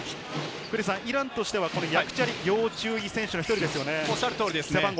イランとしてはヤクチャリ、要注意選手の１人ですよね。